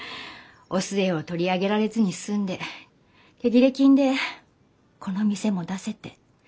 お寿恵を取り上げられずに済んで手切れ金でこの店も出せて。